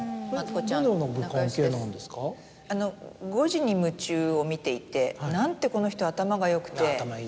『５時に夢中！』を見ていてなんてこの人は。